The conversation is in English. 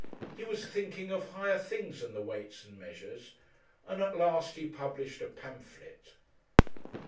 He was thinking of higher things than the Weights and Measures, and at last he published a pamphlet.